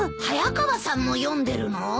早川さんも読んでるの？